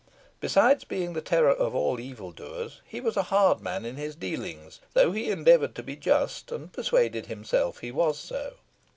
Besides being the terror of all evil doers, he was a hard man in his dealings, though he endeavoured to be just, and persuaded himself he was so.